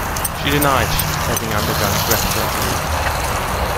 She denied having undergone breast surgery.